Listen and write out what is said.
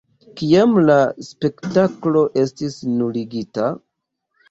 Kiam la spektaklo estis nuligita.